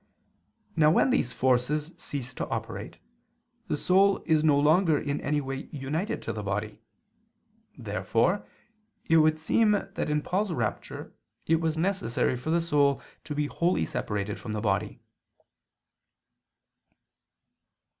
Now when these forces cease to operate, the soul is no longer in any way united to the body. Therefore it would seem that in Paul's rapture it was necessary for the soul to be wholly separated from the body.